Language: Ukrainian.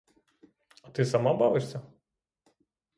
А ти сама бавишся?